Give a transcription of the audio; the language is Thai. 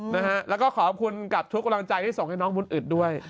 นะฮะแล้วก็ขอบคุณกับทุกกำลังใจที่ส่งให้น้องบุญอึดด้วย